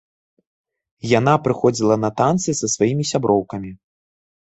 Яна прыходзіла на танцы са сваімі сяброўкамі.